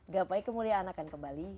gapai kemuliaan akan kembali